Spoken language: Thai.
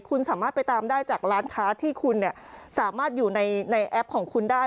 คุณสามารถไปตามได้จากร้านค้าที่คุณสามารถอยู่ในแอปของคุณได้